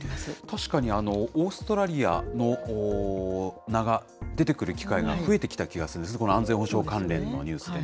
確かにオーストラリアの名が出てくる機会が増えてきた気がするんです、この安全保障関連のニュースで。